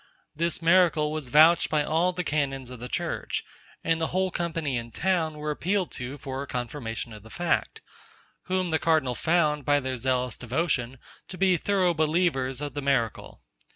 This miracle was vouched by all the canons of the church; and the whole company in town were appealed to for a confirmation of the fact; whom the cardinal found, by their zealous devotion, to be thorough believers of the miracle.